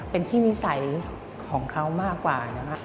เป็นที่นิสัยของเขามากกว่านะครับ